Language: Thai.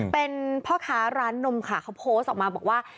เป็นพ่อค้าร้านนมค่ะเขาโพสต์ออกมาบอกว่า